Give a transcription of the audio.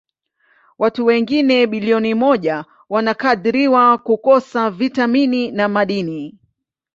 Watu wengine bilioni moja wanakadiriwa kukosa vitamini na madini.